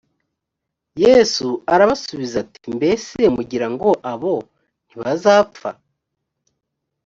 yesu arabasubiza ati mbese mugira ngo abo ntibazapfa